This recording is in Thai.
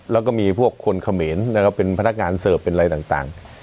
แล้วก็มีพวกคนเขมรนะครับเป็นพนักงานเสิร์ฟเป็นอะไรต่าง